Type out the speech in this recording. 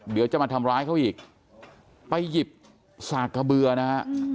เดี๋ยวจะมาทำร้ายเขาอีกไปหยิบสากกระเบือนะฮะ